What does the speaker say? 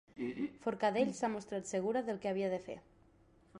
Forcadell s'ha mostrat segura del que havia de fer